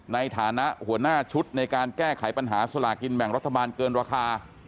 ในฐานะหัวหน้าชุดในการแก้ไขปัญหาสลากินแบ่งรัฐบาลเกินราคา